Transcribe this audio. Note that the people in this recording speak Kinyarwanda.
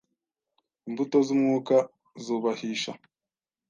Imbuto z umwuka zubahisha